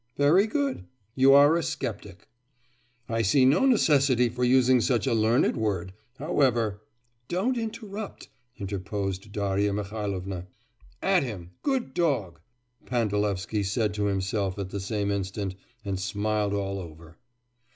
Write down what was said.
'Very good. You are a sceptic.' 'I see no necessity for using such a learned word. However ' 'Don't interrupt!' interposed Darya Mihailovna. 'At him, good dog!' Pandalevsky said to himself at the same instant, and smiled all over.